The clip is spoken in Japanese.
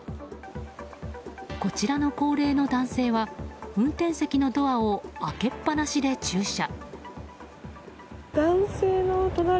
こちらの高齢の男性は運転席のドアを開けっぱなしで駐車。